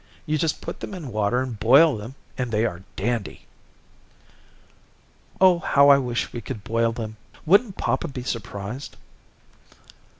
You just put them in water and boil them and they are dandy." "Oh, how I wish we could boil them. Wouldn't papa be surprised?